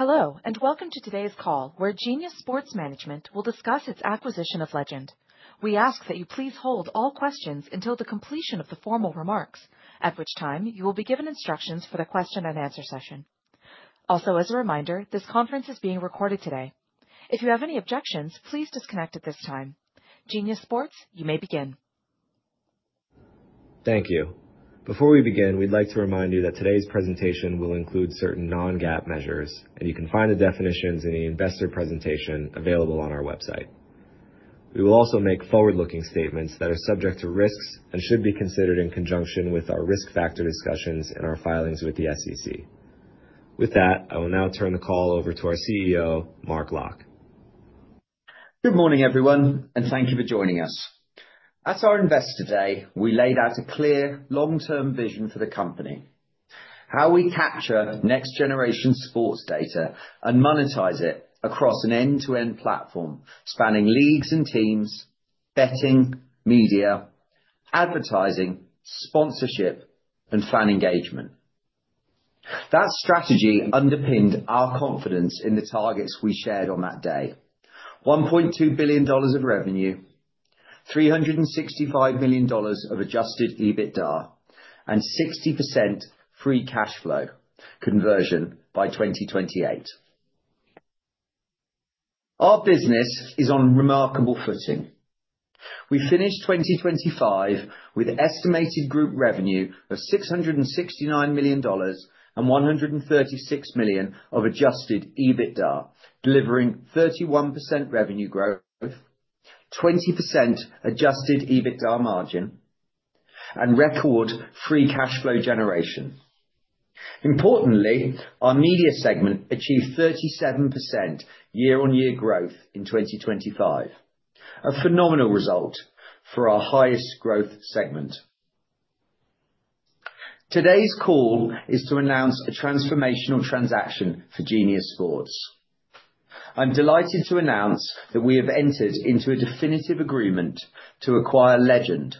Hello and welcome to today's call where Genius Sports management will discuss its acquisition of Legend. We ask that you please hold all questions until the completion of the formal remarks, at which time you will be given instructions for the question-and-answer session. Also, as a reminder, this conference is being recorded today. If you have any objections, please disconnect at this time. Genius Sports, you may begin. Thank you. Before we begin, we'd like to remind you that today's presentation will include certain non-GAAP measures, and you can find the definitions in the investor presentation available on our website. We will also make forward-looking statements that are subject to risks and should be considered in conjunction with our risk factor discussions in our filings with the SEC. With that, I will now turn the call over to our CEO, Mark Locke. Good morning, everyone, and thank you for joining us. At our Investor Day, we laid out a clear long-term vision for the company: how we capture next-generation sports data and monetize it across an end-to-end platform spanning leagues and teams, betting, media, advertising, sponsorship, and fan engagement. That strategy underpinned our confidence in the targets we shared on that day: $1.2 billion of revenue, $365 million of adjusted EBITDA, and 60% free cash flow conversion by 2028. Our business is on remarkable footing. We finished 2025 with estimated group revenue of $669 million and $136 million of adjusted EBITDA, delivering 31% revenue growth, 20% adjusted EBITDA margin, and record free cash flow generation. Importantly, our media segment achieved 37% year-over-year growth in 2025, a phenomenal result for our highest growth segment. Today's call is to announce a transformational transaction for Genius Sports. I'm delighted to announce that we have entered into a definitive agreement to acquire Legend,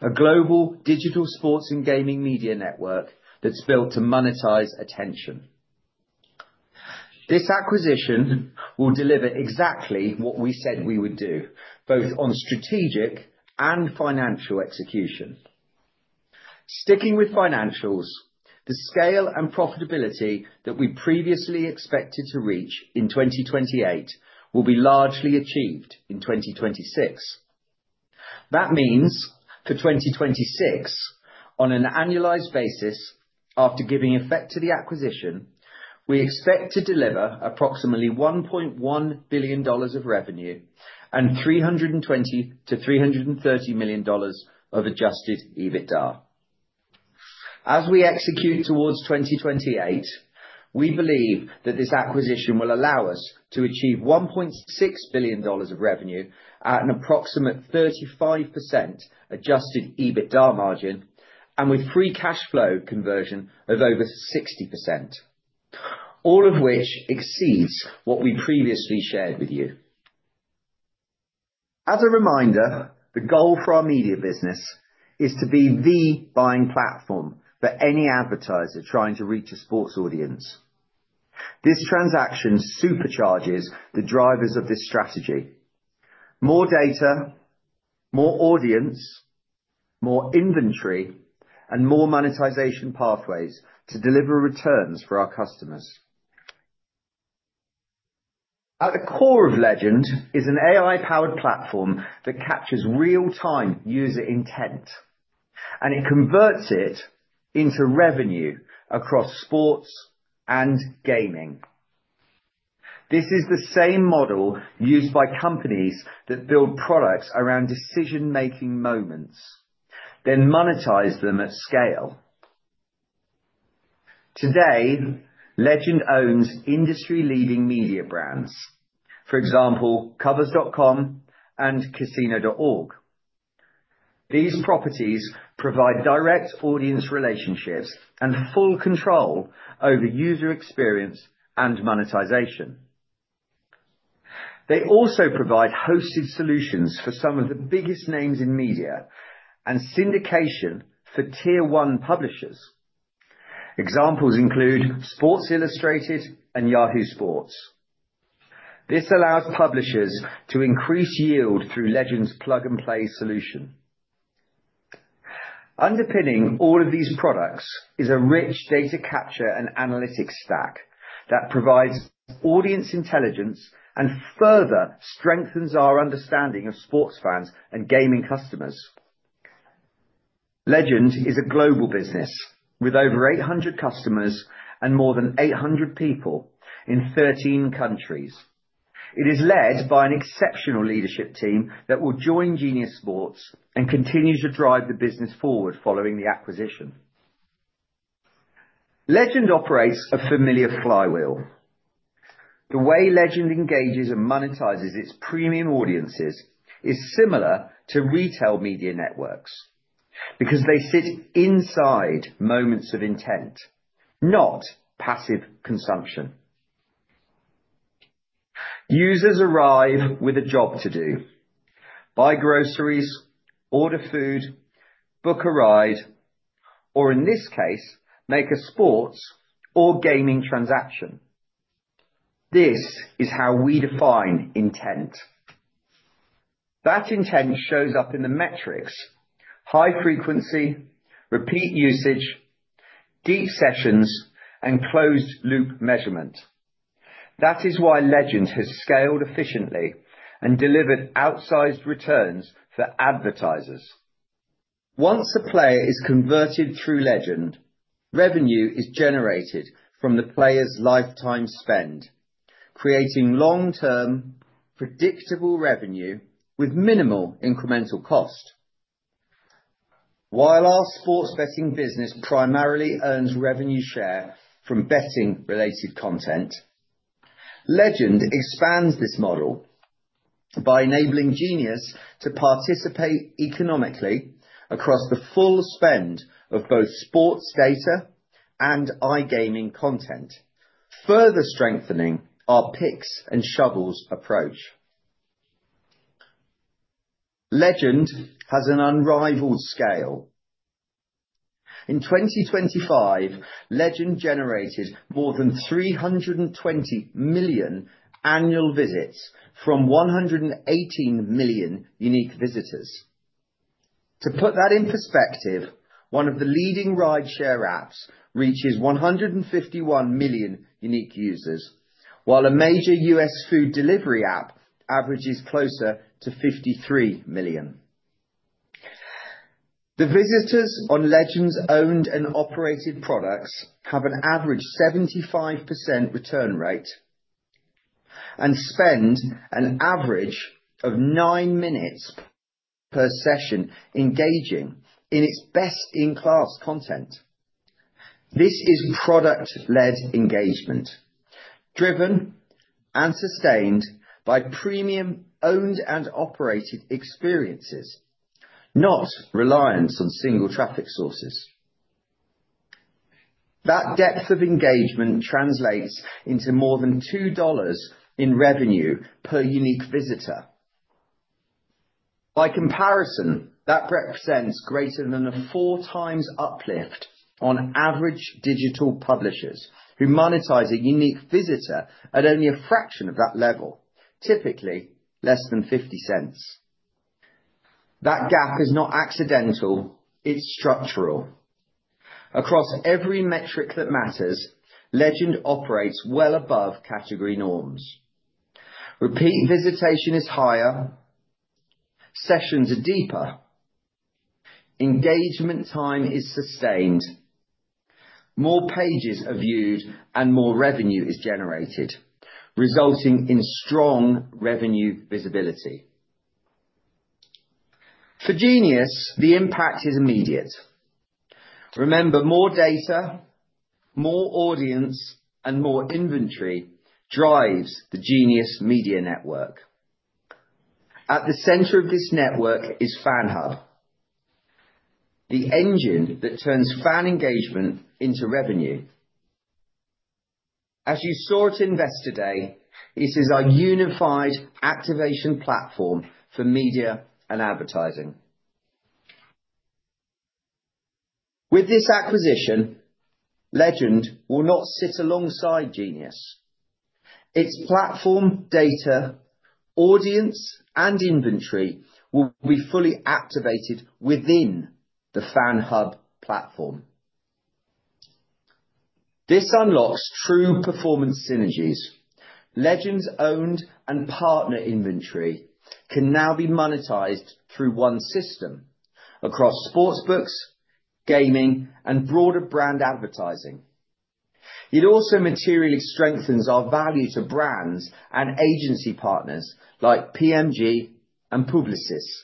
a global digital sports and gaming media network that's built to monetize attention. This acquisition will deliver exactly what we said we would do, both on strategic and financial execution. Sticking with financials, the scale and profitability that we previously expected to reach in 2028 will be largely achieved in 2026. That means for 2026, on an annualized basis, after giving effect to the acquisition, we expect to deliver approximately $1.1 billion of revenue and $320-$330 million of adjusted EBITDA. As we execute towards 2028, we believe that this acquisition will allow us to achieve $1.6 billion of revenue at an approximate 35% adjusted EBITDA margin and with free cash flow conversion of over 60%, all of which exceeds what we previously shared with you. As a reminder, the goal for our media business is to be the buying platform for any advertiser trying to reach a sports audience. This transaction supercharges the drivers of this strategy: more data, more audience, more inventory, and more monetization pathways to deliver returns for our customers. At the core of Legend is an AI-powered platform that captures real-time user intent, and it converts it into revenue across sports and gaming. This is the same model used by companies that build products around decision-making moments, then monetize them at scale. Today, Legend owns industry-leading media brands, for example, Covers.com and Casino.org. These properties provide direct audience relationships and full control over user experience and monetization. They also provide hosted solutions for some of the biggest names in media and syndication for tier-one publishers. Examples include Sports Illustrated and Yahoo Sports. This allows publishers to increase yield through Legend's plug-and-play solution. Underpinning all of these products is a rich data capture and analytics stack that provides audience intelligence and further strengthens our understanding of sports fans and gaming customers. Legend is a global business with over 800 customers and more than 800 people in 13 countries. It is led by an exceptional leadership team that will join Genius Sports and continues to drive the business forward following the acquisition. Legend operates a familiar flywheel. The way Legend engages and monetizes its premium audiences is similar to retail media networks because they sit inside moments of intent, not passive consumption. Users arrive with a job to do: buy groceries, order food, book a ride, or in this case, make a sports or gaming transaction. This is how we define intent. That intent shows up in the metrics: high frequency, repeat usage, deep sessions, and closed-loop measurement. That is why Legend has scaled efficiently and delivered outsized returns for advertisers. Once a player is converted through Legend, revenue is generated from the player's lifetime spend, creating long-term, predictable revenue with minimal incremental cost. While our sports betting business primarily earns revenue share from betting-related content, Legend expands this model by enabling Genius to participate economically across the full spend of both sports data and iGaming content, further strengthening our picks-and-shovels approach. Legend has an unrivaled scale. In 2025, Legend generated more than 320 million annual visits from 118 million unique visitors. To put that in perspective, one of the leading rideshare apps reaches 151 million unique users, while a major US food delivery app averages closer to 53 million. The visitors on Legend's owned and operated products have an average 75% return rate and spend an average of nine minutes per session engaging in its best-in-class content. This is product-led engagement, driven and sustained by premium owned and operated experiences, not reliance on single traffic sources. That depth of engagement translates into more than $2 in revenue per unique visitor. By comparison, that represents greater than a 4x uplift on average digital publishers who monetize a unique visitor at only a fraction of that level, typically less than $0.50. That gap is not accidental. It's structural. Across every metric that matters, Legend operates well above category norms. Repeat visitation is higher, sessions are deeper, engagement time is sustained, more pages are viewed, and more revenue is generated, resulting in strong revenue visibility. For Genius, the impact is immediate. Remember, more data, more audience, and more inventory drives the Genius Media Network. At the center of this network is FanHub, the engine that turns fan engagement into revenue. As you saw at investor day, this is our unified activation platform for media and advertising. With this acquisition, Legend will not sit alongside Genius. Its platform, data, audience, and inventory will be fully activated within the FanHub platform. This unlocks true performance synergies. Legend's owned and partner inventory can now be monetized through one system across sportsbooks, gaming, and broader brand advertising. It also materially strengthens our value to brands and agency partners like PMG and Publicis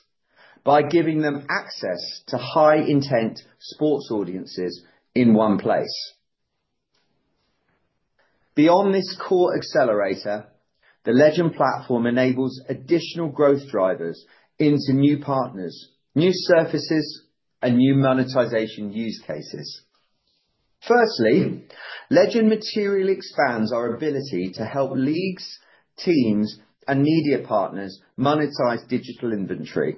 by giving them access to high-intent sports audiences in one place. Beyond this core accelerator, the Legend platform enables additional growth drivers into new partners, new surfaces, and new monetization use cases. Firstly, Legend materially expands our ability to help leagues, teams, and media partners monetize digital inventory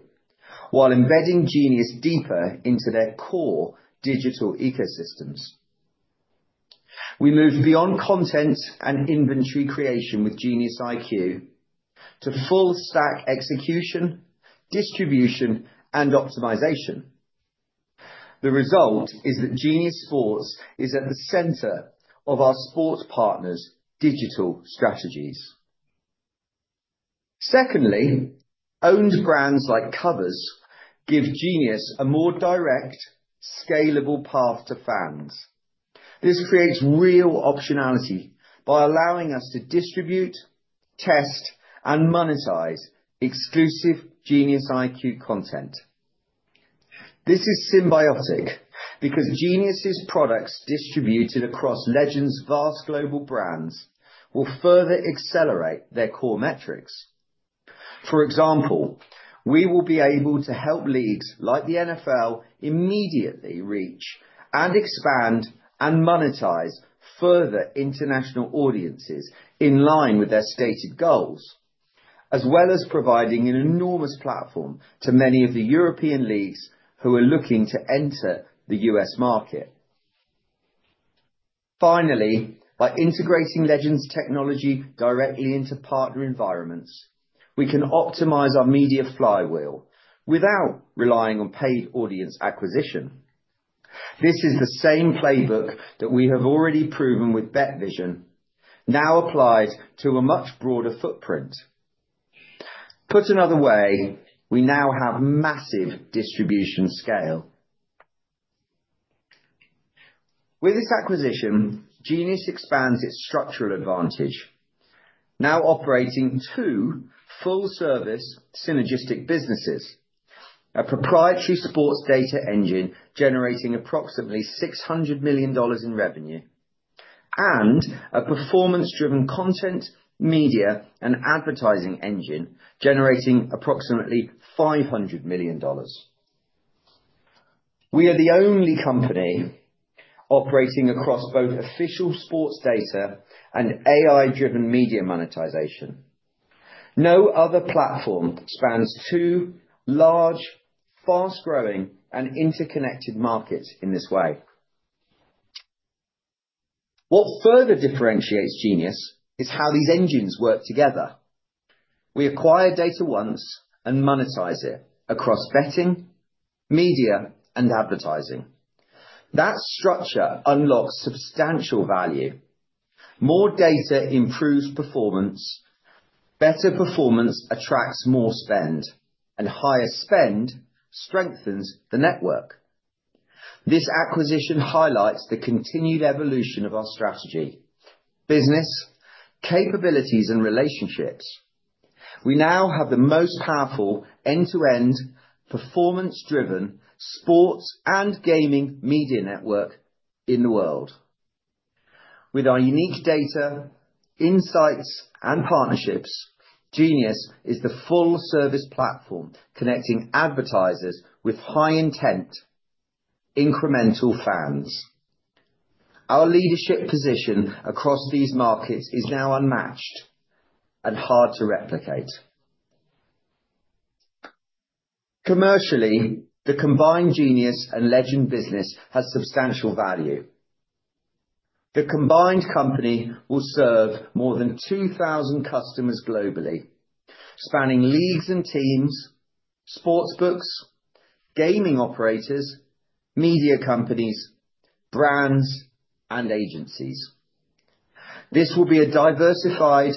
while embedding Genius deeper into their core digital ecosystems. We move beyond content and inventory creation with GeniusIQ to full-stack execution, distribution, and optimization. The result is that Genius Sports is at the center of our sports partners' digital strategies. Secondly, owned brands like Covers give Genius a more direct, scalable path to fans. This creates real optionality by allowing us to distribute, test, and monetize exclusive GeniusIQ content. This is symbiotic because Genius's products distributed across Legend's vast global brands will further accelerate their core metrics. For example, we will be able to help leagues like the NFL immediately reach and expand and monetize further international audiences in line with their stated goals, as well as providing an enormous platform to many of the European leagues who are looking to enter the U.S. market. Finally, by integrating Legend's technology directly into partner environments, we can optimize our media flywheel without relying on paid audience acquisition. This is the same playbook that we have already proven with BetVision, now applied to a much broader footprint. Put another way, we now have massive distribution scale. With this acquisition, Genius expands its structural advantage, now operating two full-service synergistic businesses: a proprietary sports data engine generating approximately $600 million in revenue and a performance-driven content, media, and advertising engine generating approximately $500 million. We are the only company operating across both official sports data and AI-driven media monetization. No other platform expands two large, fast-growing, and interconnected markets in this way. What further differentiates Genius is how these engines work together. We acquire data once and monetize it across betting, media, and advertising. That structure unlocks substantial value. More data improves performance. Better performance attracts more spend, and higher spend strengthens the network. This acquisition highlights the continued evolution of our strategy: business, capabilities, and relationships. We now have the most powerful end-to-end performance-driven sports and gaming media network in the world. With our unique data, insights, and partnerships, Genius is the full-service platform connecting advertisers with high-intent, incremental fans. Our leadership position across these markets is now unmatched and hard to replicate. Commercially, the combined Genius and Legend business has substantial value. The combined company will serve more than 2,000 customers globally, spanning leagues and teams, sports books, gaming operators, media companies, brands, and agencies. This will be a diversified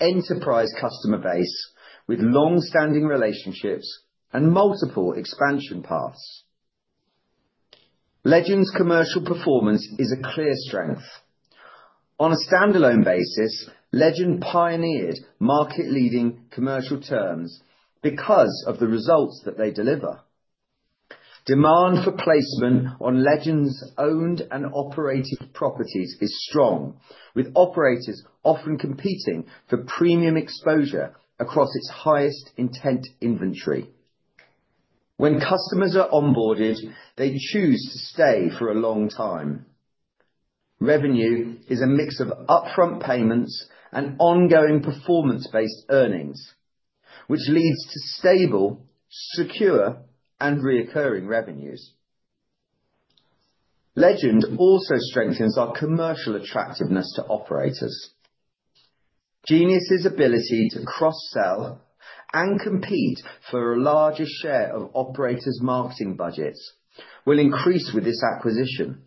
enterprise customer base with long-standing relationships and multiple expansion paths. Legend's commercial performance is a clear strength. On a standalone basis, Legend pioneered market-leading commercial terms because of the results that they deliver. Demand for placement on Legend's owned and operated properties is strong, with operators often competing for premium exposure across its highest-intent inventory. When customers are onboarded, they choose to stay for a long time. Revenue is a mix of upfront payments and ongoing performance-based earnings, which leads to stable, secure, and recurring revenues. Legend also strengthens our commercial attractiveness to operators. Genius's ability to cross-sell and compete for a larger share of operators' marketing budgets will increase with this acquisition.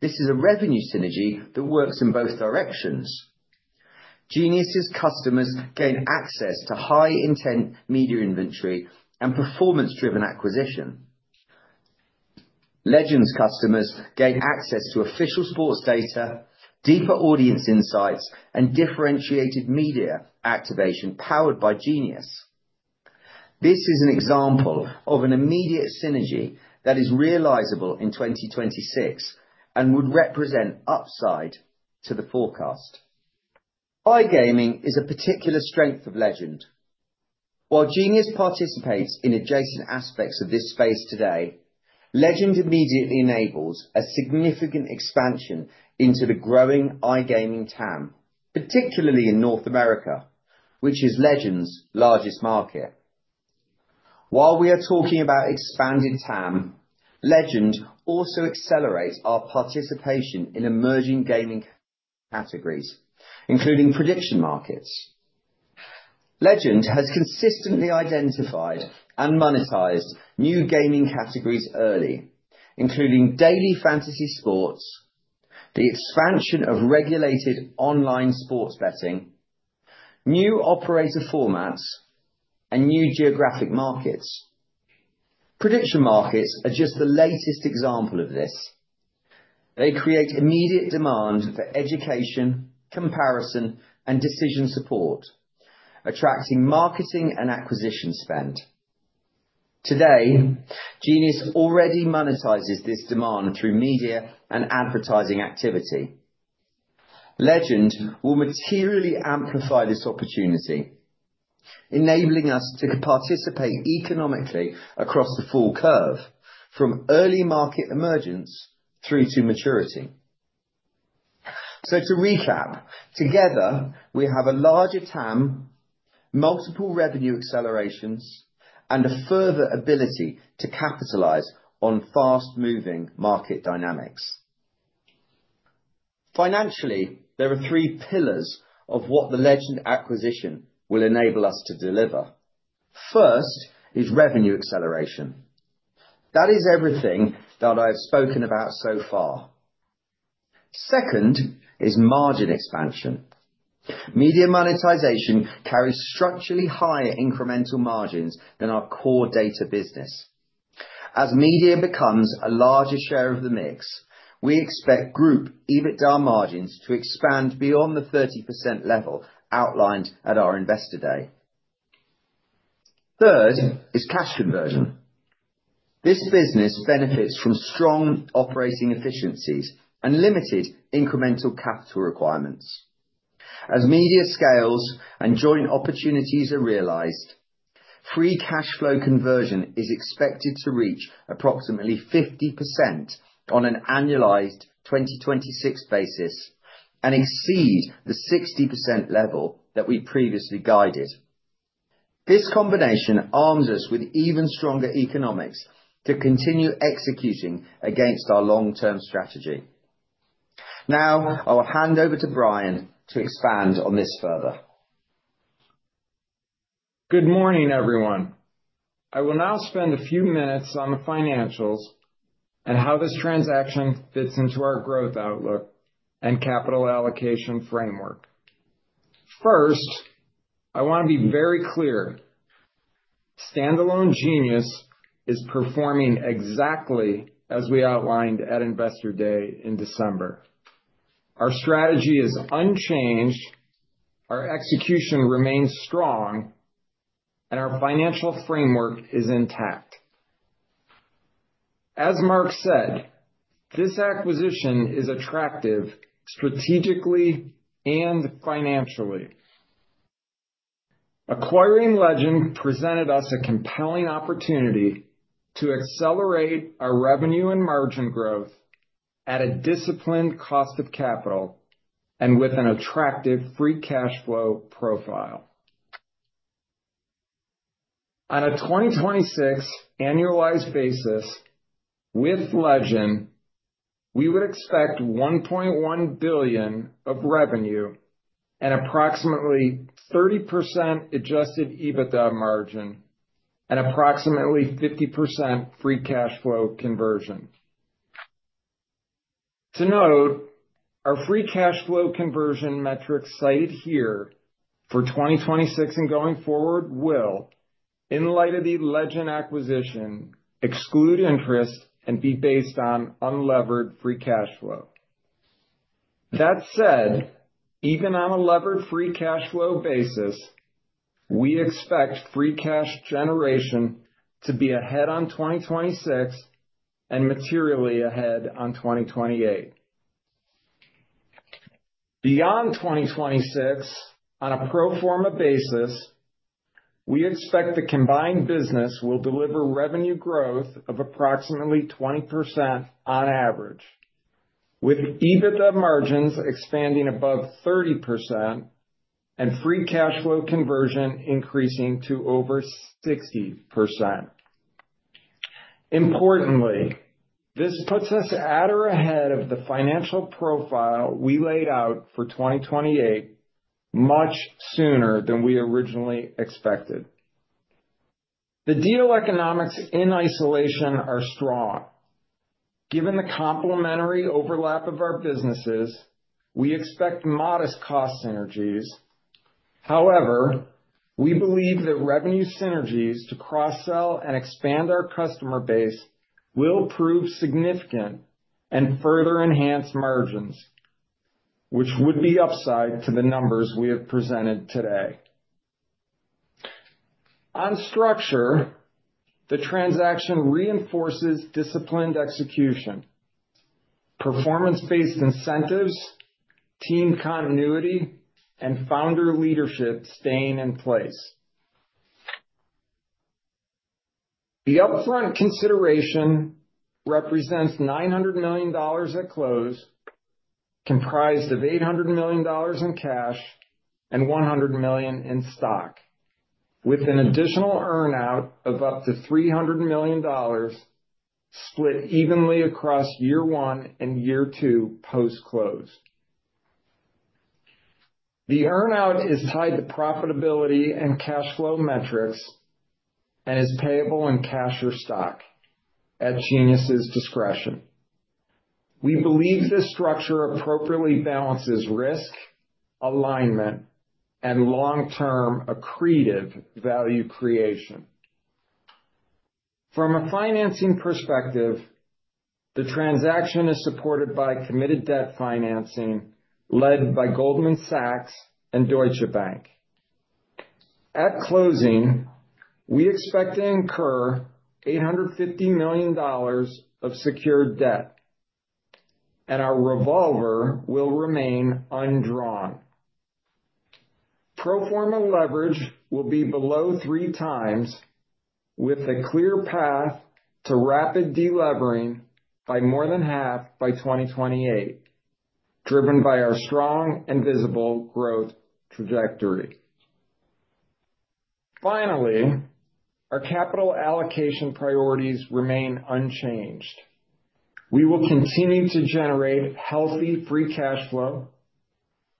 This is a revenue synergy that works in both directions. Genius's customers gain access to high-intent media inventory and performance-driven acquisition. Legend's customers gain access to official sports data, deeper audience insights, and differentiated media activation powered by Genius. This is an example of an immediate synergy that is realizable in 2026 and would represent upside to the forecast. iGaming is a particular strength of Legend. While Genius participates in adjacent aspects of this space today, Legend immediately enables a significant expansion into the growing iGaming TAM, particularly in North America, which is Legend's largest market. While we are talking about expanded TAM, Legend also accelerates our participation in emerging gaming categories, including prediction markets. Legend has consistently identified and monetized new gaming categories early, including daily fantasy sports, the expansion of regulated online sports betting, new operator formats, and new geographic markets. Prediction markets are just the latest example of this. They create immediate demand for education, comparison, and decision support, attracting marketing and acquisition spend. Today, Genius already monetizes this demand through media and advertising activity. Legend will materially amplify this opportunity, enabling us to participate economically across the full curve, from early market emergence through to maturity. So to recap, together we have a larger TAM, multiple revenue accelerations, and a further ability to capitalize on fast-moving market dynamics. Financially, there are three pillars of what the Legend acquisition will enable us to deliver. First is revenue acceleration. That is everything that I have spoken about so far. Second is margin expansion. Media monetization carries structurally higher incremental margins than our core data business. As media becomes a larger share of the mix, we expect group EBITDA margins to expand beyond the 30% level outlined at our investor day. Third is cash conversion. This business benefits from strong operating efficiencies and limited incremental capital requirements. As media scales and joint opportunities are realized, free cash flow conversion is expected to reach approximately 50% on an annualized 2026 basis and exceed the 60% level that we previously guided. This combination arms us with even stronger economics to continue executing against our long-term strategy. Now I will hand over to Brian to expand on this further. Good morning, everyone. I will now spend a few minutes on the financials and how this transaction fits into our growth outlook and capital allocation framework. First, I want to be very clear. Standalone Genius is performing exactly as we outlined at investor day in December. Our strategy is unchanged. Our execution remains strong, and our financial framework is intact. As Mark said, this acquisition is attractive strategically and financially. Acquiring Legend presented us a compelling opportunity to accelerate our revenue and margin growth at a disciplined cost of capital and with an attractive free cash flow profile. On a 2026 annualized basis, with Legend, we would expect $1.1 billion of revenue and approximately 30% adjusted EBITDA margin and approximately 50% free cash flow conversion. To note, our free cash flow conversion metrics cited here for 2026 and going forward will, in light of the Legend acquisition, exclude interest and be based on unlevered free cash flow. That said, even on a levered free cash flow basis, we expect free cash generation to be ahead on 2026 and materially ahead on 2028. Beyond 2026, on a pro forma basis, we expect the combined business will deliver revenue growth of approximately 20% on average, with EBITDA margins expanding above 30% and free cash flow conversion increasing to over 60%. Importantly, this puts us at or ahead of the financial profile we laid out for 2028 much sooner than we originally expected. The deal economics in isolation are strong. Given the complementary overlap of our businesses, we expect modest cost synergies. However, we believe that revenue synergies to cross-sell and expand our customer base will prove significant and further enhance margins, which would be upside to the numbers we have presented today. On structure, the transaction reinforces disciplined execution. Performance-based incentives, team continuity, and founder leadership stay in place. The upfront consideration represents $900 million at close, comprised of $800 million in cash and $100 million in stock, with an additional earnout of up to $300 million split evenly across year one and year two post-close. The earnout is tied to profitability and cash flow metrics and is payable in cash or stock at Genius's discretion. We believe this structure appropriately balances risk, alignment, and long-term accretive value creation. From a financing perspective, the transaction is supported by committed debt financing led by Goldman Sachs and Deutsche Bank. At closing, we expect to incur $850 million of secured debt, and our revolver will remain undrawn. Pro forma leverage will be below 3x, with a clear path to rapid delivering by more than half by 2028, driven by our strong and visible growth trajectory. Finally, our capital allocation priorities remain unchanged. We will continue to generate healthy free cash flow,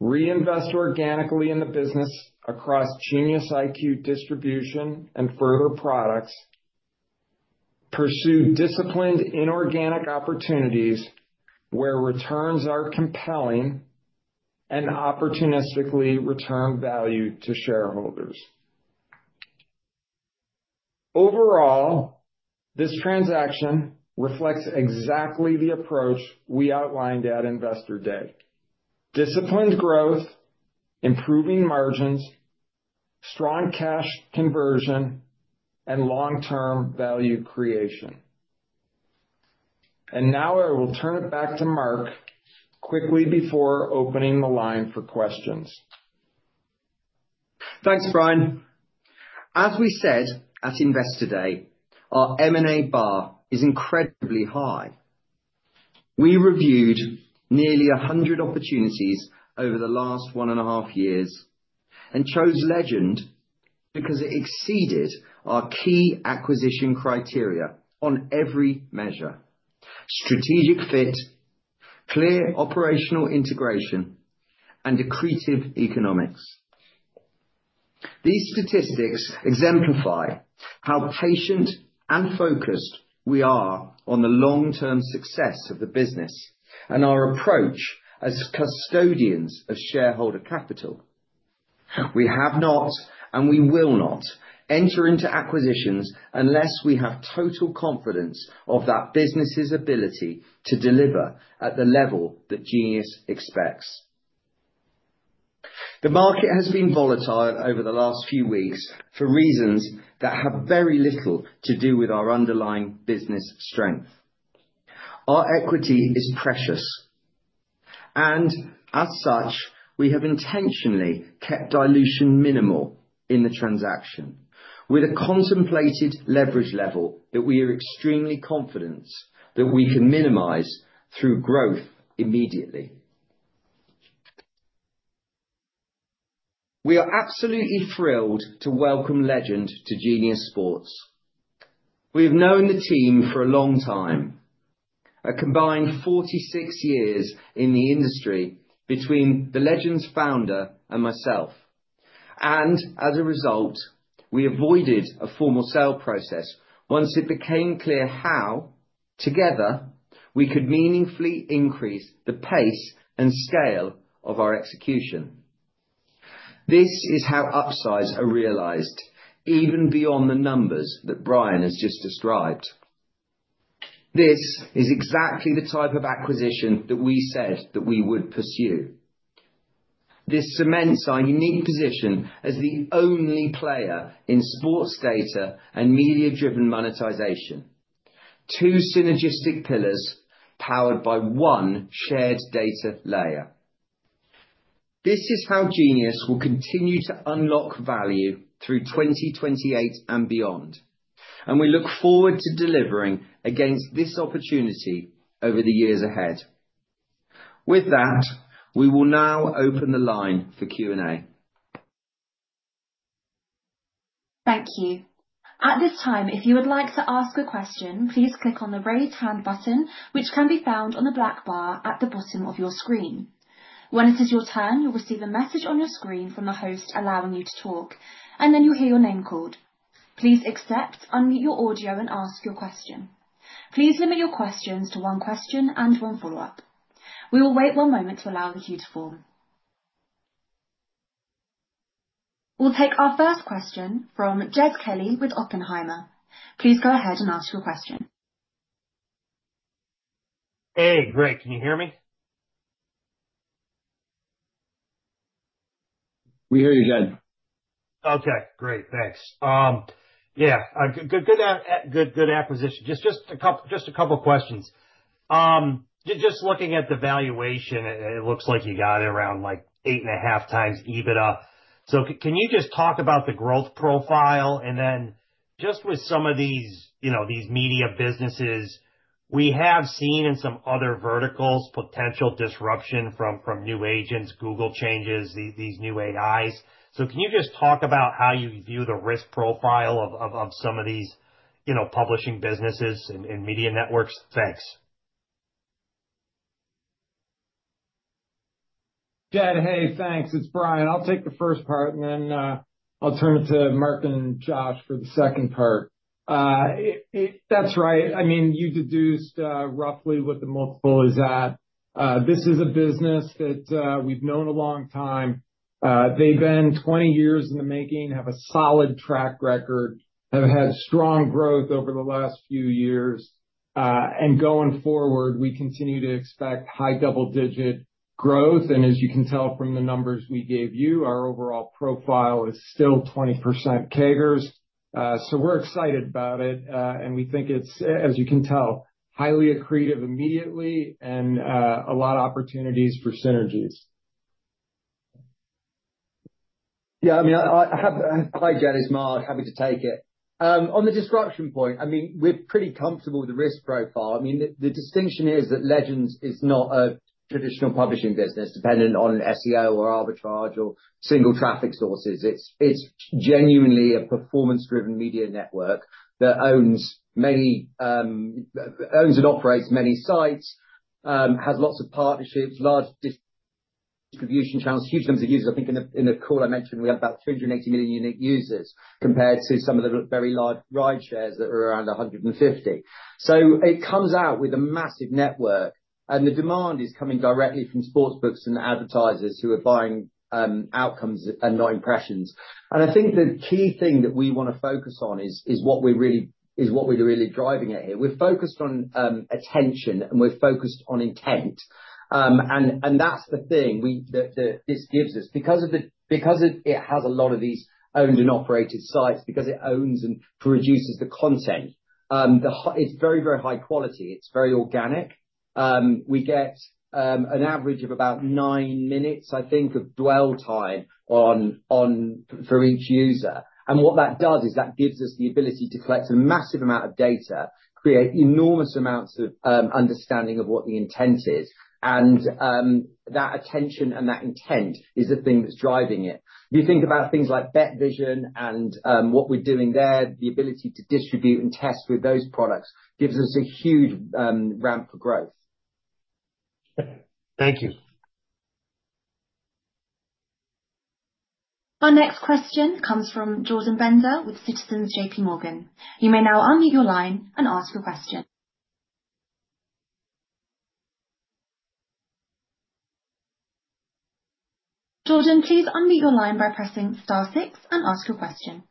reinvest organically in the business across GeniusIQ distribution and further products, pursue disciplined inorganic opportunities where returns are compelling and opportunistically return value to shareholders. Overall, this transaction reflects exactly the approach we outlined at investor day: disciplined growth, improving margins, strong cash conversion, and long-term value creation. Now I will turn it back to Mark quickly before opening the line for questions. Thanks, Brian. As we said at investor day, our M&A bar is incredibly high. We reviewed nearly 100 opportunities over the last one and a half years and chose Legend because it exceeded our key acquisition criteria on every measure: strategic fit, clear operational integration, and accretive economics. These statistics exemplify how patient and focused we are on the long-term success of the business and our approach as custodians of shareholder capital. We have not, and we will not, enter into acquisitions unless we have total confidence of that business's ability to deliver at the level that Genius expects. The market has been volatile over the last few weeks for reasons that have very little to do with our underlying business strength. Our equity is precious, and as such, we have intentionally kept dilution minimal in the transaction, with a contemplated leverage level that we are extremely confident that we can minimize through growth immediately. We are absolutely thrilled to welcome Legend to Genius Sports. We have known the team for a long time, a combined 46 years in the industry between the Legend's founder and myself. And as a result, we avoided a formal sale process once it became clear how, together, we could meaningfully increase the pace and scale of our execution. This is how upsides are realized, even beyond the numbers that Brian has just described. This is exactly the type of acquisition that we said that we would pursue. This cements our unique position as the only player in sports data and media-driven monetization: two synergistic pillars powered by one shared data layer. This is how Genius will continue to unlock value through 2028 and beyond, and we look forward to delivering against this opportunity over the years ahead. With that, we will now open the line for Q&A. Thank you. At this time, if you would like to ask a question, please click on the raised hand button, which can be found on the black bar at the bottom of your screen. When it is your turn, you'll receive a message on your screen from the host allowing you to talk, and then you'll hear your name called. Please accept, unmute your audio, and ask your question. Please limit your questions to one question and one follow-up. We will wait one moment to allow the queue to form. We'll take our first question from Jed Kelly with Oppenheimer. Please go ahead and ask your question. Hey, Greg, can you hear me? We hear you, Jed. Okay, great. Thanks. Yeah, good acquisition. Just a couple of questions. Just looking at the valuation, it looks like you got it around 8.5x EBITDA. So can you just talk about the growth profile? And then just with some of these media businesses, we have seen in some other verticals potential disruption from new agents, Google changes, these new AIs. So can you just talk about how you view the risk profile of some of these publishing businesses and media networks? Thanks. Jed, hey, thanks. It's Brian. I'll take the first part, and then I'll turn it to Mark and Josh for the second part. That's right. I mean, you deduced roughly what the multiple is at. This is a business that we've known a long time. They've been 20 years in the making, have a solid track record, have had strong growth over the last few years. And going forward, we continue to expect high double-digit growth. And as you can tell from the numbers we gave you, our overall profile is still 20% CAGRs. So we're excited about it. And we think it's, as you can tell, highly accretive immediately and a lot of opportunities for synergies. Yeah, I mean, hi, Jed. It's Mark. Happy to take it. On the disruption point, I mean, we're pretty comfortable with the risk profile. I mean, the distinction is that Legend is not a traditional publishing business dependent on SEO or arbitrage or single traffic sources. It's genuinely a performance-driven media network that owns and operates many sites, has lots of partnerships, large distribution channels, huge numbers of users. I think in the call I mentioned, we had about 380 million unique users compared to some of the very large rideshares that were around 150. So it comes out with a massive network, and the demand is coming directly from sportsbooks and advertisers who are buying outcomes and not impressions. And I think the key thing that we want to focus on is what we're really driving at here. We're focused on attention, and we're focused on intent. And that's the thing this gives us. Because it has a lot of these owned and operated sites, because it owns and produces the content, it's very, very high quality. It's very organic. We get an average of about nine minutes, I think, of dwell time for each user. And what that does is that gives us the ability to collect a massive amount of data, create enormous amounts of understanding of what the intent is. And that attention and that intent is the thing that's driving it. If you think about things like BetVision and what we're doing there, the ability to distribute and test with those products gives us a huge ramp for growth. Thank you. Our next question comes from Jordan Bender with Citizens J.P. Morgan. You may now unmute your line and ask your question. Jordan, please unmute your line by pressing star six and ask your question.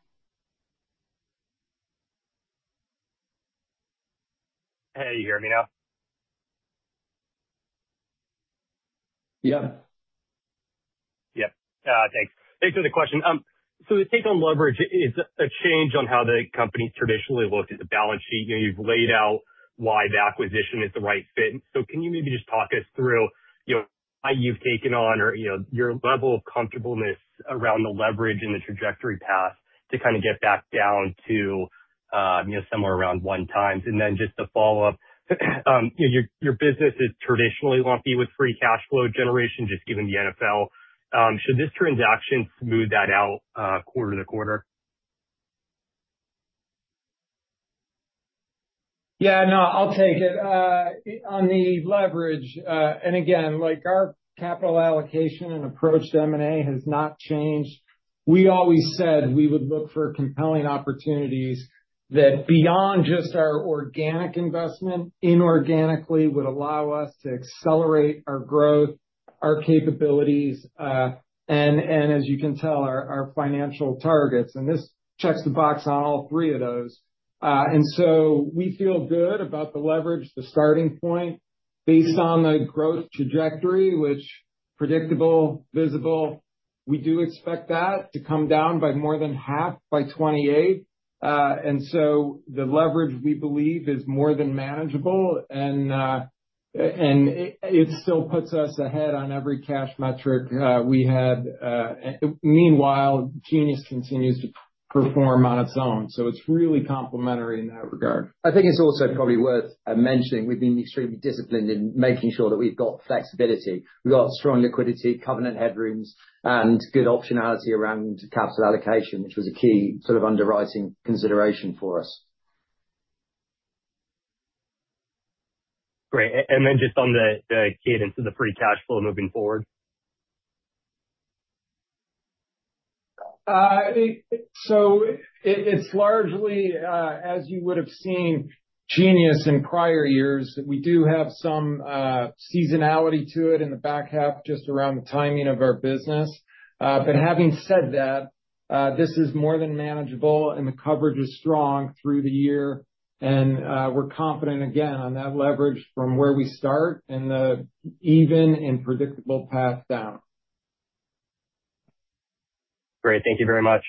Hey, you hear me now? Yeah. Yep. Thanks. Thanks for the question. So the take-on leverage is a change on how the company traditionally looked at the balance sheet. You've laid out why the acquisition is the right fit. So can you maybe just talk us through why you've taken on or your level of comfortableness around the leverage in the trajectory path to kind of get back down to somewhere around 1x? And then just to follow up, your business is traditionally lumpy with free cash flow generation, just given the NFL. Should this transaction smooth that out quarter to quarter? Yeah, no, I'll take it. On the leverage, and again, our capital allocation and approach to M&A has not changed. We always said we would look for compelling opportunities that, beyond just our organic investment, inorganically would allow us to accelerate our growth, our capabilities, and, as you can tell, our financial targets. And this checks the box on all three of those. And so we feel good about the leverage, the starting point. Based on the growth trajectory, which is predictable, visible, we do expect that to come down by more than half by 2028. And so the leverage, we believe, is more than manageable, and it still puts us ahead on every cash metric we had. Meanwhile, Genius continues to perform on its own. So it's really complementary in that regard. I think it's also probably worth mentioning, we've been extremely disciplined in making sure that we've got flexibility. We've got strong liquidity, covenant headrooms, and good optionality around capital allocation, which was a key sort of underwriting consideration for us. Great. And then just on the cadence of the free cash flow moving forward? So it's largely, as you would have seen, Genius in prior years, that we do have some seasonality to it in the back half, just around the timing of our business. But having said that, this is more than manageable, and the coverage is strong through the year. And we're confident, again, on that leverage from where we start and the even and predictable path down. Great. Thank you very much.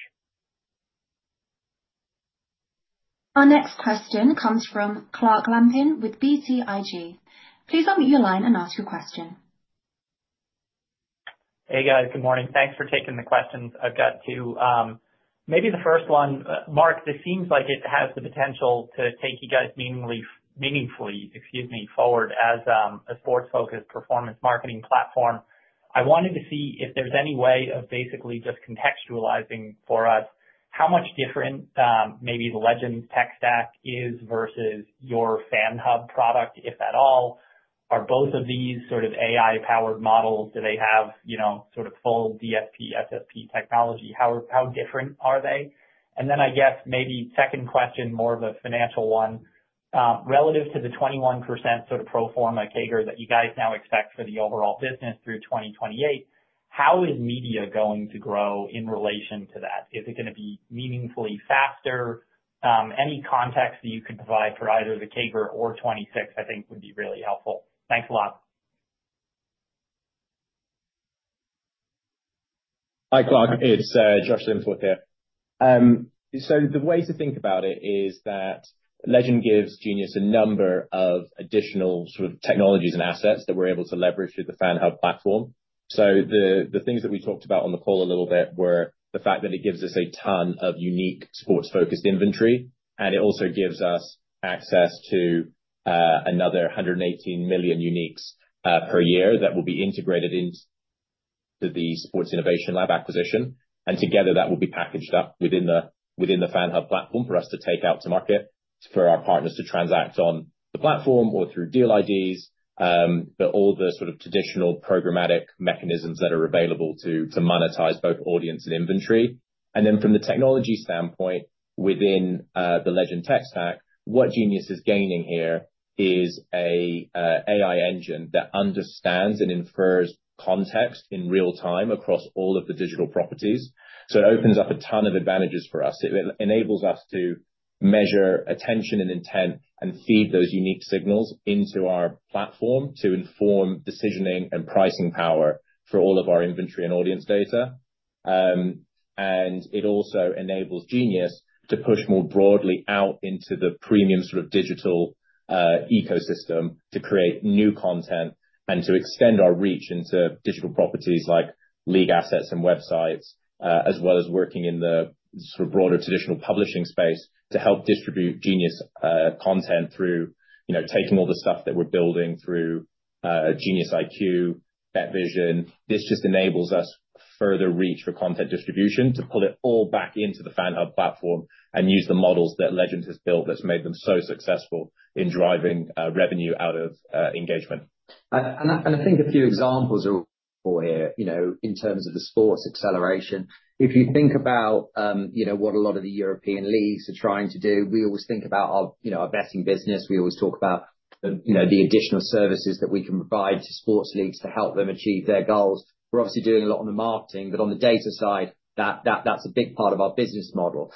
Our next question comes from Clark Lampen with BTIG. Please unmute your line and ask your question. Hey, guys. Good morning. Thanks for taking the questions. I've got two. Maybe the first one, Mark, this seems like it has the potential to take you guys meaningfully forward as a sports-focused performance marketing platform. I wanted to see if there's any way of basically just contextualizing for us how much different maybe the Legend's tech stack is versus your FanHub product, if at all. Are both of these sort of AI-powered models? Do they have sort of full DSP, SSP technology? How different are they? And then I guess maybe second question, more of a financial one. Relative to the 21% sort of pro forma CAGR that you guys now expect for the overall business through 2028, how is media going to grow in relation to that? Is it going to be meaningfully faster? Any context that you could provide for either the CAGR or 2026, I think, would be really helpful. Thanks a lot. Hi, Clark. It's Josh Linforth here. So the way to think about it is that Legend gives Genius a number of additional sort of technologies and assets that we're able to leverage through the FanHub platform. So the things that we talked about on the call a little bit were the fact that it gives us a ton of unique sports-focused inventory, and it also gives us access to another 118 million uniques per year that will be integrated into the Sports Innovation Lab acquisition. Together, that will be packaged up within the FanHub platform for us to take out to market for our partners to transact on the platform or through deal IDs, but all the sort of traditional programmatic mechanisms that are available to monetize both audience and inventory. And then from the technology standpoint, within the Legend tech stack, what Genius is gaining here is an AI engine that understands and infers context in real time across all of the digital properties. So it opens up a ton of advantages for us. It enables us to measure attention and intent and feed those unique signals into our platform to inform decisioning and pricing power for all of our inventory and audience data. And it also enables Genius to push more broadly out into the premium sort of digital ecosystem to create new content and to extend our reach into digital properties like league assets and websites, as well as working in the sort of broader traditional publishing space to help distribute Genius content through taking all the stuff that we're building through GeniusIQ, BetVision. This just enables us further reach for content distribution to pull it all back into the FanHub platform and use the models that Legend has built that's made them so successful in driving revenue out of engagement. And I think a few examples are all here in terms of the sports acceleration. If you think about what a lot of the European leagues are trying to do, we always think about our betting business. We always talk about the additional services that we can provide to sports leagues to help them achieve their goals. We're obviously doing a lot on the marketing, but on the data side, that's a big part of our business model.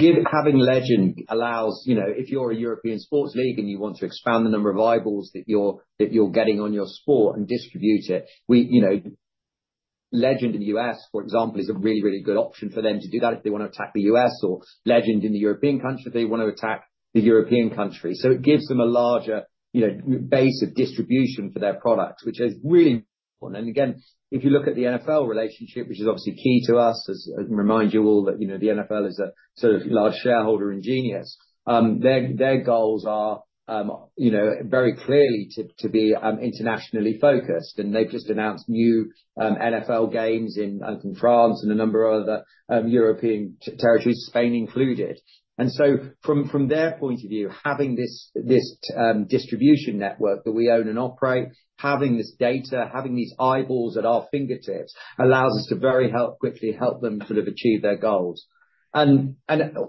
Having Legend allows, if you're a European sports league and you want to expand the number of eyeballs that you're getting on your sport and distribute it, Legend in the US, for example, is a really, really good option for them to do that if they want to attack the US or Legend in the European country if they want to attack the European country. So it gives them a larger base of distribution for their product, which is really important. And again, if you look at the NFL relationship, which is obviously key to us, I remind you all that the NFL is a sort of large shareholder in Genius. Their goals are very clearly to be internationally focused. And they've just announced new NFL games in France and a number of other European territories, Spain included. And so from their point of view, having this distribution network that we own and operate, having this data, having these eyeballs at our fingertips allows us to very quickly help them sort of achieve their goals. And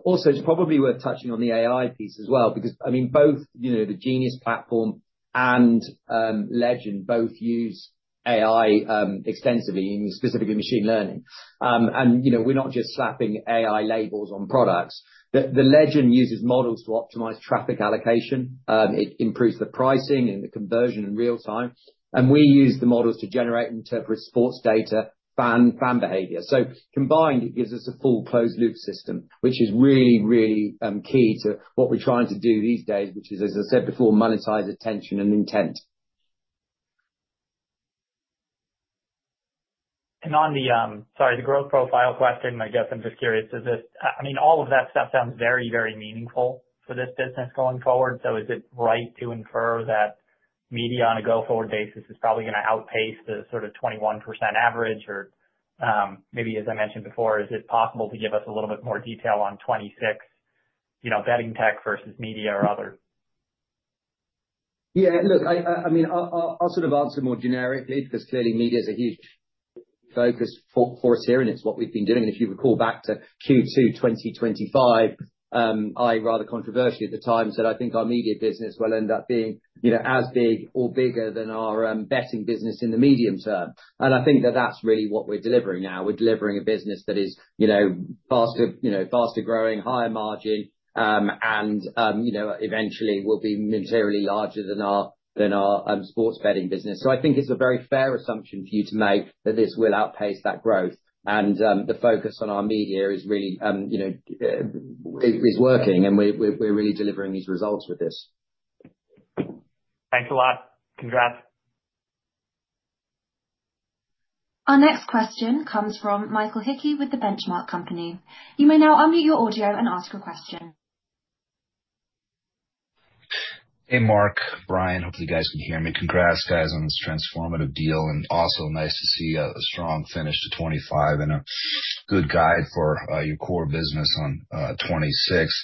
also, it's probably worth touching on the AI piece as well because, I mean, both the Genius platform and Legend both use AI extensively, specifically machine learning. And we're not just slapping AI labels on products. The Legend uses models to optimize traffic allocation. It improves the pricing and the conversion in real time. And we use the models to generate and interpret sports data, fan behavior. So combined, it gives us a full closed-loop system, which is really, really key to what we're trying to do these days, which is, as I said before, monetize attention and intent. And on the, sorry, the growth profile question, I guess I'm just curious, I mean, all of that stuff sounds very, very meaningful for this business going forward. So is it right to infer that media on a go-forward basis is probably going to outpace the sort of 21% average? Or maybe, as I mentioned before, is it possible to give us a little bit more detail on '26 betting tech versus media or other? Yeah. Look, I mean, I'll sort of answer more generically because clearly, media is a huge focus for us here, and it's what we've been doing. If you recall back to Q2 2025, I rather controversially at the time said, "I think our media business will end up being as big or bigger than our betting business in the medium term." I think that that's really what we're delivering now. We're delivering a business that is faster growing, higher margin, and eventually will be materially larger than our sports betting business. I think it's a very fair assumption for you to make that this will outpace that growth. The focus on our media is really working, and we're really delivering these results with this. Thanks a lot. Congrats. Our next question comes from Michael Hickey with the Benchmark Company. You may now unmute your audio and ask your question. Hey, Mark, Brian. Hopefully, you guys can hear me. Congrats, guys, on this transformative deal. Also nice to see a strong finish to 2025 and a good guide for your core business on 2026.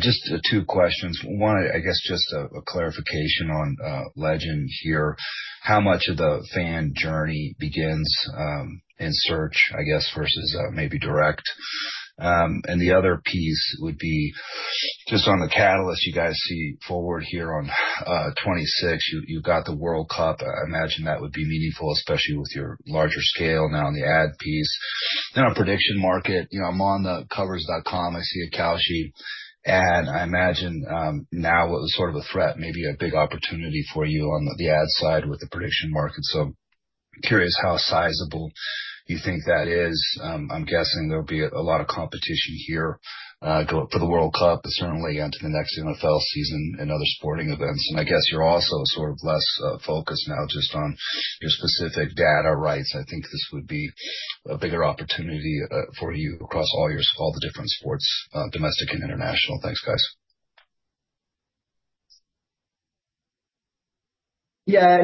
Just two questions. One, I guess, just a clarification on Legend here. How much of the fan journey begins in search, I guess, versus maybe direct? And the other piece would be just on the catalyst you guys see forward here on 2026, you've got the World Cup. I imagine that would be meaningful, especially with your larger scale now on the ad piece. Then on prediction market, I'm on the Covers.com. I see a calculation. And I imagine now what was sort of a threat, maybe a big opportunity for you on the ad side with the prediction market. So curious how sizable you think that is. I'm guessing there'll be a lot of competition here for the World Cup and certainly into the next NFL season and other sporting events. And I guess you're also sort of less focused now just on your specific data rights. I think this would be a bigger opportunity for you across all the different sports, domestic and international. Thanks, guys. Yeah.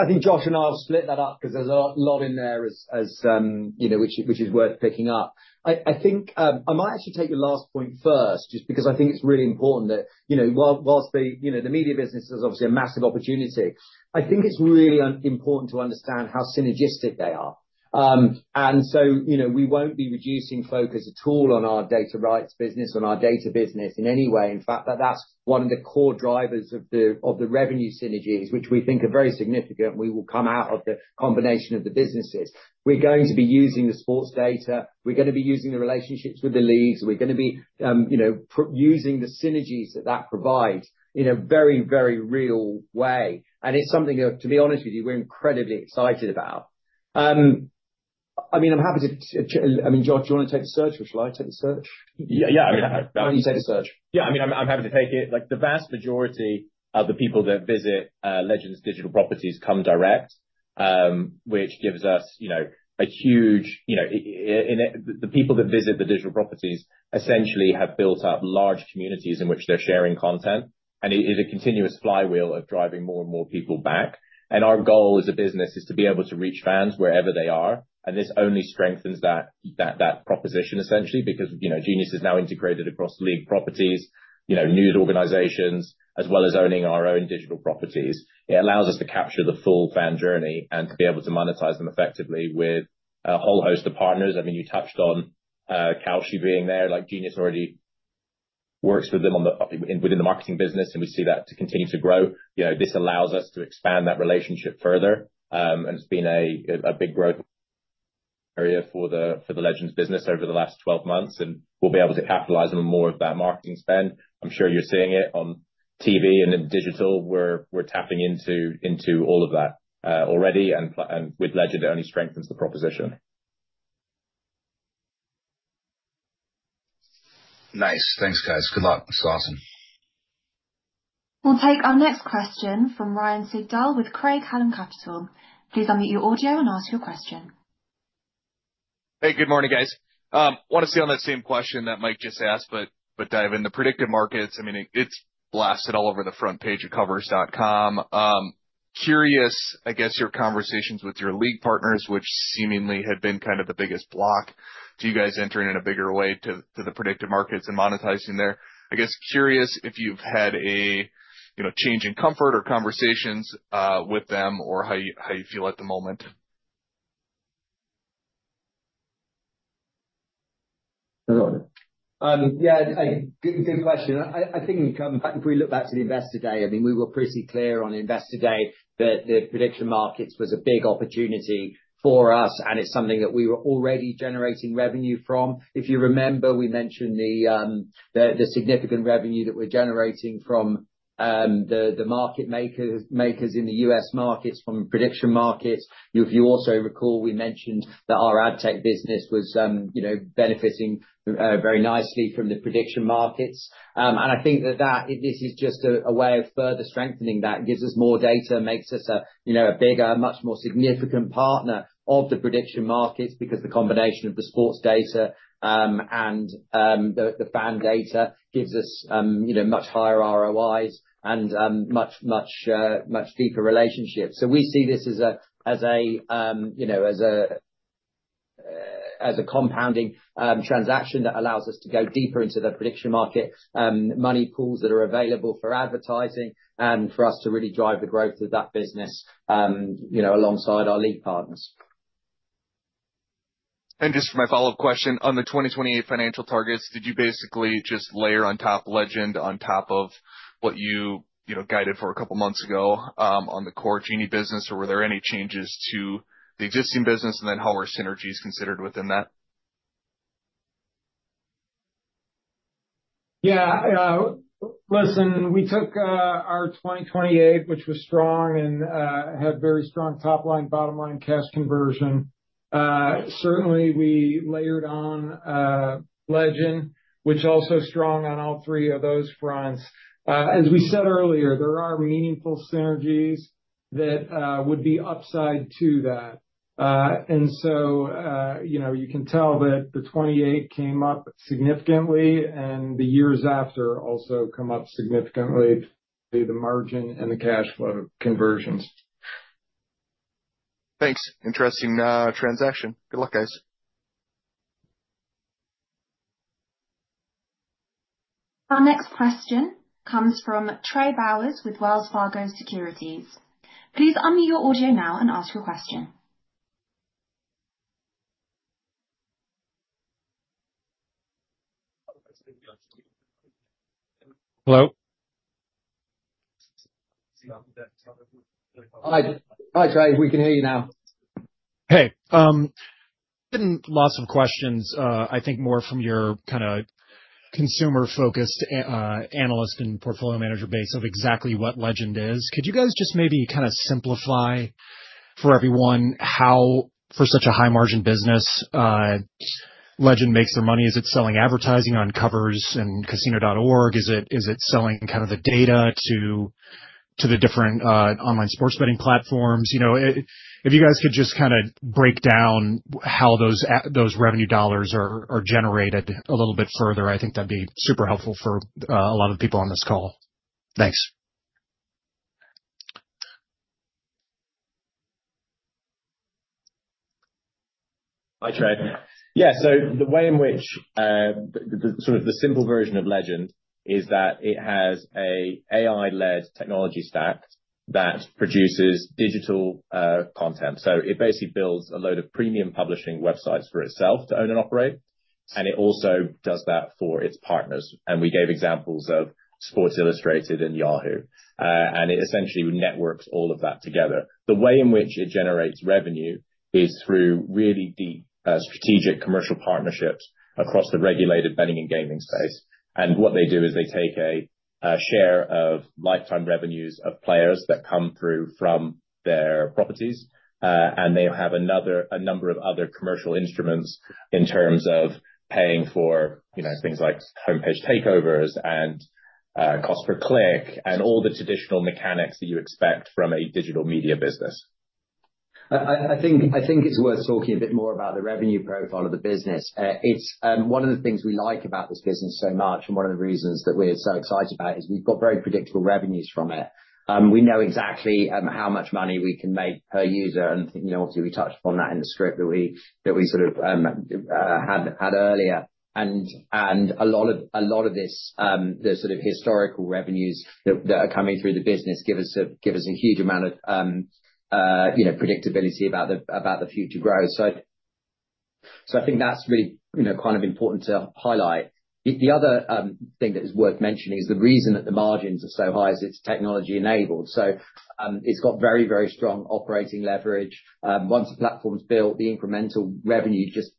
I think Josh and I will split that up because there's a lot in there which is worth picking up. I might actually take your last point first just because I think it's really important that while the media business is obviously a massive opportunity, I think it's really important to understand how synergistic they are. And so we won't be reducing focus at all on our data rights business, on our data business in any way. In fact, that's one of the core drivers of the revenue synergies, which we think are very significant. We will come out of the combination of the businesses. We're going to be using the sports data. We're going to be using the relationships with the leagues. We're going to be using the synergies that that provides in a very, very real way. It's something that, to be honest with you, we're incredibly excited about. I mean, Josh, do you want to take the stage, or shall I take the stage? Yeah. I mean, why don't you take the stage? Yeah. I mean, I'm happy to take it. The vast majority of the people that visit Legends' digital properties come direct, which gives us. The people that visit the digital properties essentially have built up large communities in which they're sharing content. It is a continuous flywheel of driving more and more people back. Our goal as a business is to be able to reach fans wherever they are. This only strengthens that proposition essentially because Genius is now integrated across league properties, news organizations, as well as owning our own digital properties. It allows us to capture the full fan journey and to be able to monetize them effectively with a whole host of partners. I mean, you touched on Kalshi being there. Genius already works with them within the marketing business, and we see that to continue to grow. This allows us to expand that relationship further. It's been a big growth area for the Legend's business over the last 12 months. We'll be able to capitalize on more of that marketing spend. I'm sure you're seeing it on TV and in digital. We're tapping into all of that already. And with Legend, it only strengthens the proposition. Nice. Thanks, guys. Good luck. It's awesome. We'll take our next question from Ryan Sigdahl with Craig-Hallum Capital. Please unmute your audio and ask your question. Hey, good morning, guys. Want to see on that same question that Mike just asked, but dive in. The predictive markets, I mean, it's blasted all over the front page of Covers.com. Curious, I guess, your conversations with your league partners, which seemingly had been kind of the biggest block to you guys entering in a bigger way to the predictive markets and monetizing there. I guess curious if you've had a change in comfort or conversations with them or how you feel at the moment. Yeah. Good question. I think if we look back to the Investor Day, I mean, we were pretty clear on Investor Day that the prediction markets was a big opportunity for us, and it's something that we were already generating revenue from. If you remember, we mentioned the significant revenue that we're generating from the market makers in the U.S. markets, from prediction markets. If you also recall, we mentioned that our ad tech business was benefiting very nicely from the prediction markets. And I think that this is just a way of further strengthening that. It gives us more data, makes us a bigger, much more significant partner of the prediction markets because the combination of the sports data and the fan data gives us much higher ROIs and much, much, much deeper relationships. So we see this as a compounding transaction that allows us to go deeper into the prediction market, money pools that are available for advertising, and for us to really drive the growth of that business alongside our league partners. And just for my follow-up question, on the 2028 financial targets, did you basically just layer on top Legend on top of what you guided for a couple of months ago on the core Genius business? Or were there any changes to the existing business and then how our synergies considered within that? Yeah. Listen, we took our 2028, which was strong and had very strong top line, bottom line, cash conversion. Certainly, we layered on Legend, which also strong on all three of those fronts. As we said earlier, there are meaningful synergies that would be upside to that. And so you can tell that the 2028 came up significantly, and the years after also come up significantly, the margin and the cash flow conversions. Thanks. Interesting transaction. Good luck, guys. Our next question comes from Trey Bowers with Wells Fargo Securities. Please unmute your audio now and ask your question. Hello. Hi, Trey. We can hear you now. Hey. We've gotten lots of questions, I think more from your kind of consumer-focused analyst and portfolio manager base of exactly what Legend is. Could you guys just maybe kind of simplify for everyone how, for such a high-margin business, Legend makes their money? Is it selling advertising on covers and casino.org? Is it selling kind of the data to the different online sports betting platforms? If you guys could just kind of break down how those revenue dollars are generated a little bit further, I think that'd be super helpful for a lot of the people on this call. Thanks. Hi, Trey. Yeah. So the way in which sort of the simple version of Legend is that it has an AI-led technology stack that produces digital content. So it basically builds a load of premium publishing websites for itself to own and operate. And it also does that for its partners. And we gave examples of Sports Illustrated and Yahoo. And it essentially networks all of that together. The way in which it generates revenue is through really deep strategic commercial partnerships across the regulated betting and gaming space. And what they do is they take a share of lifetime revenues of players that come through from their properties. They have a number of other commercial instruments in terms of paying for things like homepage takeovers and cost per click and all the traditional mechanics that you expect from a digital media business. I think it's worth talking a bit more about the revenue profile of the business. It's one of the things we like about this business so much, and one of the reasons that we're so excited about is we've got very predictable revenues from it. We know exactly how much money we can make per user. Obviously, we touched upon that in the script that we sort of had earlier. A lot of the sort of historical revenues that are coming through the business give us a huge amount of predictability about the future growth. I think that's really kind of important to highlight. The other thing that is worth mentioning is the reason that the margins are so high is it's technology-enabled. So it's got very, very strong operating leverage. Once a platform's built, the incremental revenue just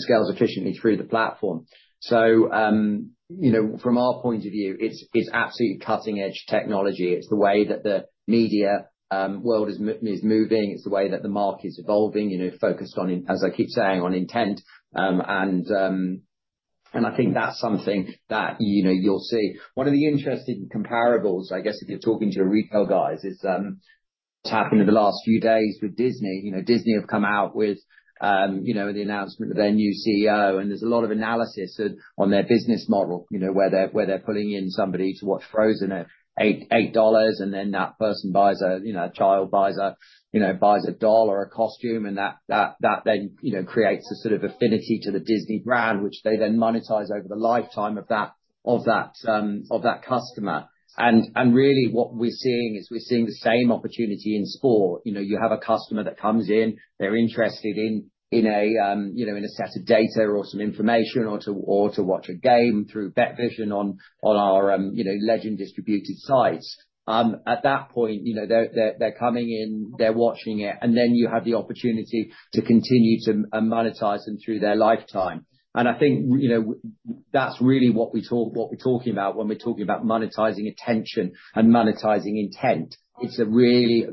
scales efficiently through the platform. So from our point of view, it's absolutely cutting-edge technology. It's the way that the media world is moving. It's the way that the market's evolving, focused on, as I keep saying, on intent. And I think that's something that you'll see. One of the interesting comparables, I guess, if you're talking to your retail guys, is what's happened in the last few days with Disney. Disney have come out with the announcement of their new CEO. And there's a lot of analysis on their business model, where they're pulling in somebody to watch Frozen at $8, and then that person buys a child buys a doll or a costume. And that then creates a sort of affinity to the Disney brand, which they then monetize over the lifetime of that customer. And really, what we're seeing is we're seeing the same opportunity in sport. You have a customer that comes in. They're interested in a set of data or some information or to watch a game through BetVision on our Legends-distributed sites. At that point, they're coming in. They're watching it. And then you have the opportunity to continue to monetize them through their lifetime. And I think that's really what we're talking about when we're talking about monetizing attention and monetizing intent. It's a really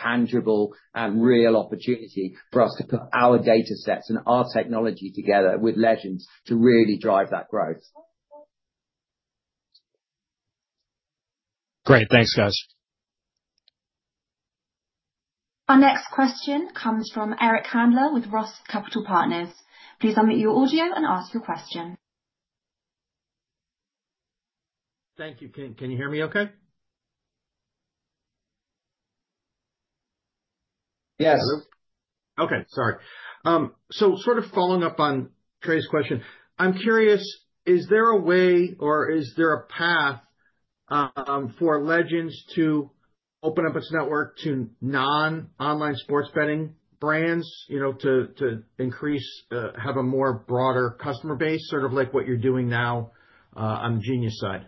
tangible and real opportunity for us to put our datasets and our technology together with Legends to really drive that growth. Great. Thanks, guys. Our next question comes from Eric Handler with Roth Capital Partners. Please unmute your audio and ask your question. Thank you. Can you hear me okay? Yes. Hello. Okay. Sorry. So sort of following up on Trey's question, I'm curious, is there a way or is there a path for Legends to open up its network to non-online sports betting brands to have a more broader customer base, sort of like what you're doing now on the Genius side?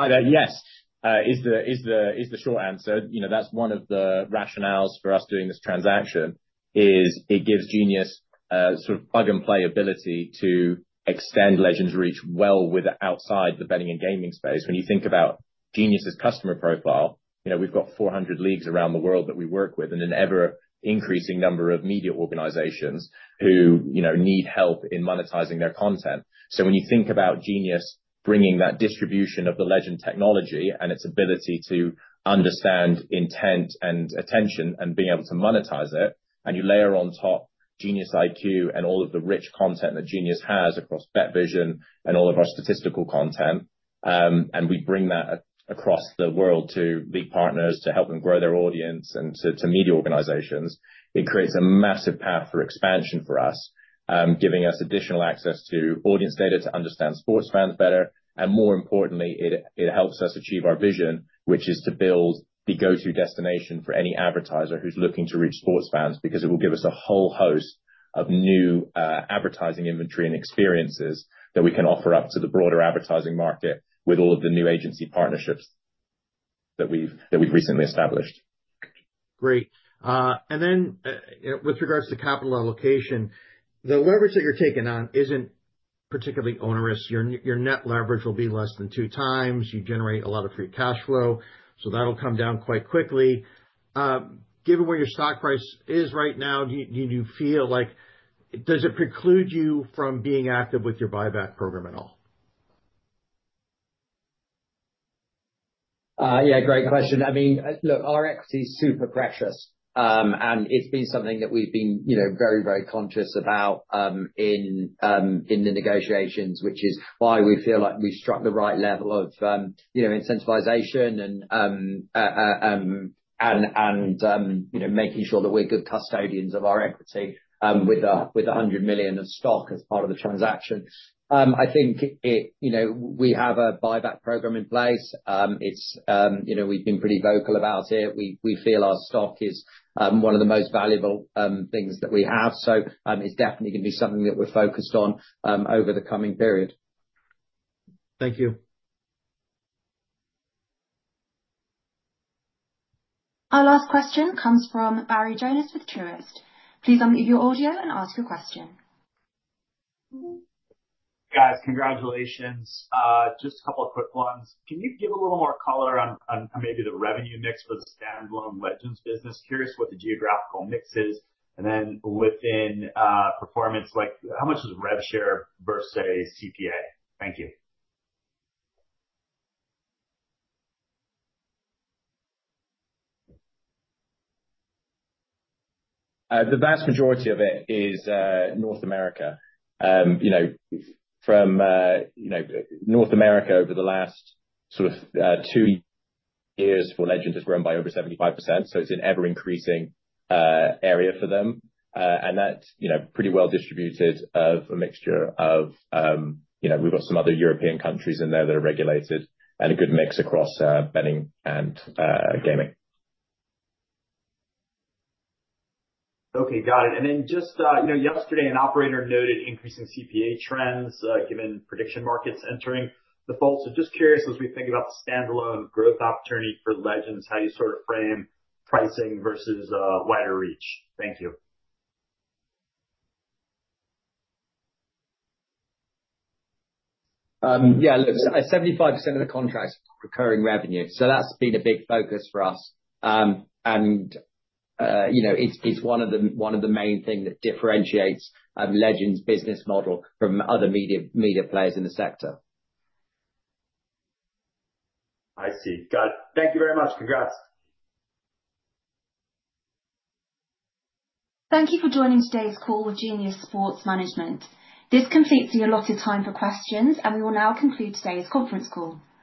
Yes. Is the short answer? That's one of the rationales for us doing this transaction is it gives Genius sort of plug-and-play ability to extend Legend's reach well outside the betting and gaming space. When you think about Genius's customer profile, we've got 400 leagues around the world that we work with and an ever-increasing number of media organizations who need help in monetizing their content. When you think about Genius bringing that distribution of the Legend technology and its ability to understand intent and attention and being able to monetize it, and you layer on top GeniusIQ and all of the rich content that Genius has across BetVision and all of our statistical content, and we bring that across the world to league partners to help them grow their audience and to media organizations, it creates a massive path for expansion for us, giving us additional access to audience data to understand sports fans better. And more importantly, it helps us achieve our vision, which is to build the go-to destination for any advertiser who's looking to reach sports fans because it will give us a whole host of new advertising inventory and experiences that we can offer up to the broader advertising market with all of the new agency partnerships that we've recently established. Great. And then with regards to capital allocation, the leverage that you're taking on isn't particularly onerous. Your net leverage will be less than 2x. You generate a lot of free cash flow. So that'll come down quite quickly. Given where your stock price is right now, do you feel like does it preclude you from being active with your buyback program at all? Yeah. Great question. I mean, look, our equity is super precious. And it's been something that we've been very, very conscious about in the negotiations, which is why we feel like we've struck the right level of incentivization and making sure that we're good custodians of our equity with the $100 million of stock as part of the transaction. I think we have a buyback program in place. We've been pretty vocal about it. We feel our stock is one of the most valuable things that we have. So it's definitely going to be something that we're focused on over the coming period. Thank you. Our last question comes from Barry Jonas with Truist. Please unmute your audio and ask your question. Guys, congratulations. Just a couple of quick ones. Can you give a little more color on maybe the revenue mix for the standalone Legends business? Curious what the geographical mix is? Then within performance, how much is rev share versus CPA? Thank you. The vast majority of it is North America. From North America, over the last sort of two years, for Legends, it's grown by over 75%. So it's an ever-increasing area for them. And that's pretty well distributed of a mixture of we've got some other European countries in there that are regulated and a good mix across betting and gaming. Okay. Got it. And then just yesterday, an operator noted increasing CPA trends given prediction markets entering the fold. So just curious, as we think about the standalone growth opportunity for Legends, how do you sort of frame pricing versus wider reach? Thank you. Yeah. Look, 75% of the contracts. Recurring revenue. So that's been a big focus for us. It's one of the main things that differentiates Legends' business model from other media players in the sector. I see. Got it. Thank you very much. Congrats. Thank you for joining today's call with Genius Sports Management. This completes the allotted time for questions, and we will now conclude today's conference call. You may.